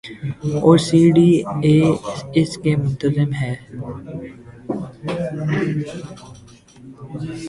اورسی D A اس کی منتظم ہے۔